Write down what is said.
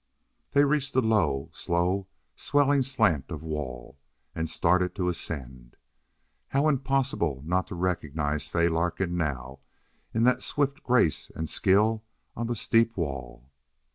They reached the low, slow swelling slant of wall and started to ascend. How impossible not to recognize Fay Larkin now in that swift grace and skill on the steep wall!